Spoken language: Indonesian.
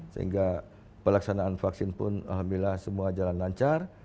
sehingga pelaksanaan vaksin pun alhamdulillah semua jalan lancar